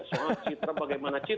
soal citra bagaimana yang kita